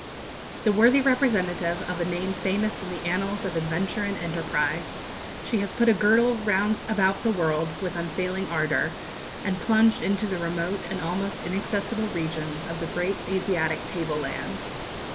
The worthy representative of a name famous in the annals of adventure and enterprise, she has put a girdle round about the world with unfailing ardour, and plunged into the remote and almost inaccessible regions of the great Asiatic table land.